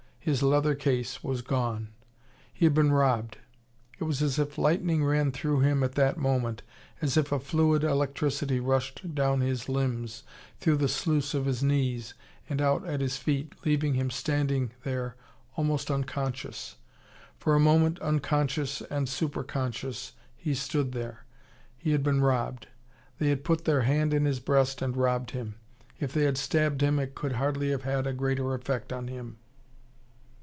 His letter case was gone. He had been robbed. It was as if lightning ran through him at that moment, as if a fluid electricity rushed down his limbs, through the sluice of his knees, and out at his feet, leaving him standing there almost unconscious. For a moment unconscious and superconscious he stood there. He had been robbed. They had put their hand in his breast and robbed him. If they had stabbed him, it could hardly have had a greater effect on him.